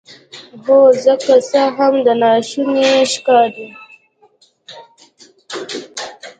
هو زه که څه هم دا ناشونی ښکاري